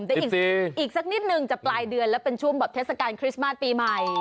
แต่อีกสักนิดนึงจะปลายเดือนแล้วเป็นช่วงแบบเทศกาลคริสต์มาสปีใหม่